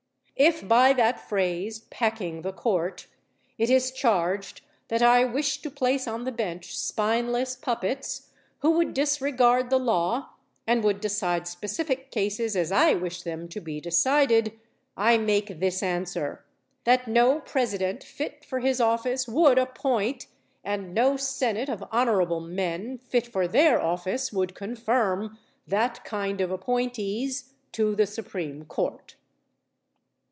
If by that phrase "packing the Court" it is charged that I wish to place on the bench spineless puppets who would disregard the law and would decide specific cases as I wished them to be decided, I make this answer: that no President fit for his office would appoint, and no Senate of honorable men fit for their office would confirm, that kind of appointees to the Supreme Court.